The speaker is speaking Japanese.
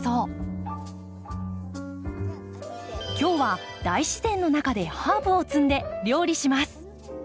今日は大自然の中でハーブを摘んで料理します。